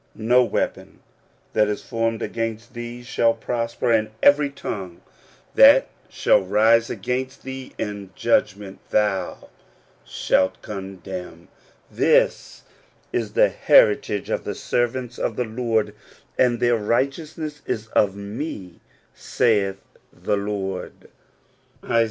"No weapon that is formed against thee shall prosper ; and every tongue that shall rise against thee in judgment thou shalt condemn. This is the The Promise Used for this Life. 103 lieritage of the servants of the Lord, and their righteousness is of me, saith the Lord" (Is.